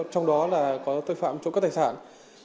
trong đó là có tội phạm trộm cắp tài sản